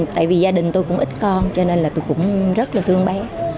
tại vì gia đình tôi cũng ít con cho nên tôi cũng rất thương bé